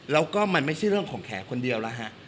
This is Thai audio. แล้วก็มันไม่ใช่เรื่องของแขคนเดียวแล้วฮะ